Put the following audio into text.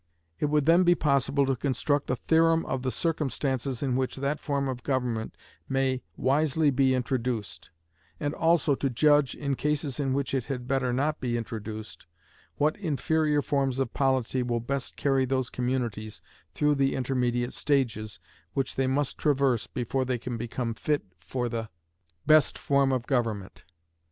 It would then be possible to construct a theorem of the circumstances in which that form of government may wisely be introduced; and also to judge, in cases in which it had better not be introduced, what inferior forms of polity will best carry those communities through the intermediate stages which they must traverse before they can become fit for the best form of government.